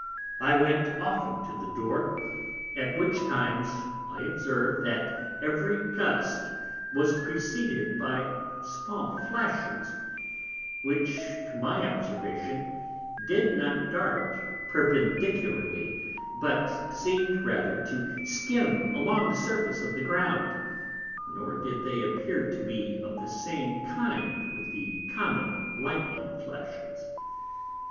I went often to the Door, at which times I observ'd, that every Gust was preceded by small Flashes, which, to my Observation, did not dart perpendicularly, but seem'd rather to skim along the Surface of the Ground; nor did they appear to be of the same kind with the common Light'ning Flashes.